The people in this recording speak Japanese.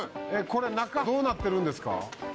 これ中どうなってるんですか？